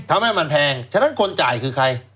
ทำให้มันแพงฉะนั้นคนจ่ายคือใคร